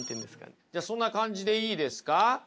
じゃあそんな感じでいいですか？